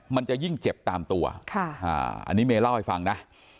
มันจะยิ่งเจ็บตามตัวอันนี้เมย์เล่าให้ฟังนะ